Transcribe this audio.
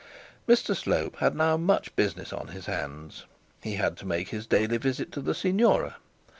Mr Slope had now much business to handle. He had to make his daily visit to the signora.